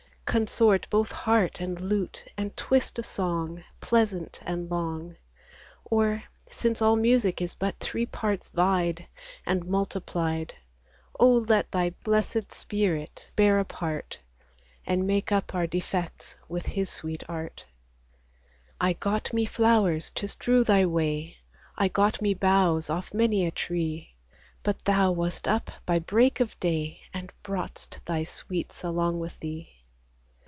Consort, both heart and lute, and twist a song, Pleasant and long ; Or, since all music is but three parts vied, And multiplied, Oh, let thy blessed Spirit bear a part, And make up our defects with his sweet art. 4r I got me flowers to strew Thy way ; I got me boughs off many a tree ; But Thou wast up by break of day, And brought'st Thy sweets along with thee.